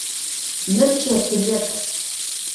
Mır çetılep.